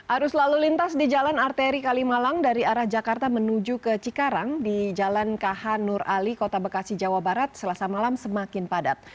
arus lalu lintas di jalan arteri kalimalang dari arah jakarta menuju ke cikarang di jalan kh nur ali kota bekasi jawa barat selasa malam semakin padat